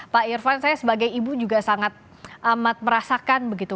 pak irfan saya sebagai ibu juga sangat amat merasakan begitu